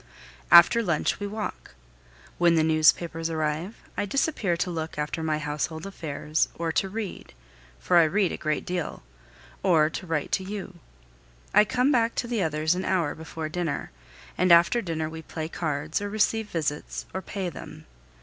After lunch, we walk. When the newspapers arrive, I disappear to look after my household affairs or to read for I read a great deal or to write to you. I come back to the others an hour before dinner; and after dinner we play cards, or receive visits, or pay them.